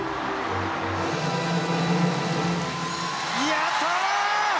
やった！